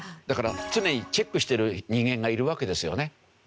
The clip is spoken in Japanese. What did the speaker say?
だから常にチェックしてる人間がいるわけですよね。